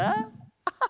アハハ！